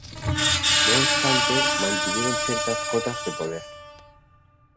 No obstante, mantuvieron ciertas cotas de poder.